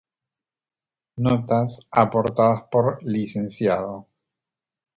Notas aportadas por Lic.